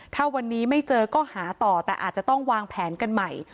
ถ้าวันนี้ไม่เจอก็หาต่อแต่อาจจะต้องวางแผนกันใหม่